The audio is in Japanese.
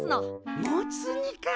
モツ煮か！